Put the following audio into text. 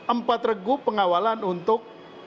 empat regu pengawalan untuk